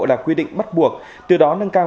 là quy định bắt buộc từ đó nâng cao